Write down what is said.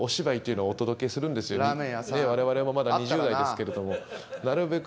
我々もまだ２０代ですけどもなるべく。